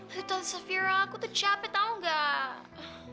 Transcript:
little saphira aku tuh capek tau gak